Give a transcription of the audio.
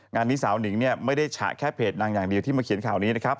งานนี้สาวหนิงไม่ได้ฉะแค่เพจดังอย่างเดียวที่มาเขียนข่าวนี้นะครับ